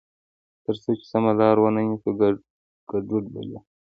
تر څو چې سمه لار ونه نیسو، ګډوډ به یو.